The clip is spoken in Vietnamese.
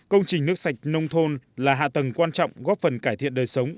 công trình nước sạch nông thôn là hạ tầng quan trọng góp phần cải thiện đời sống